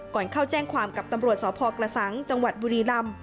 ก่อนเข้าแจ้งความกับตำรวจสพกระสังจังหวัดบุรีลำ